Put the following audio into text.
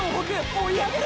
追い上げる！！